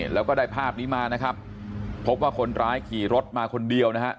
แล้วก็ได้ภาพนี้มานะครับพบว่าคนร้ายขี่รถมาคนเดียวนะฮะ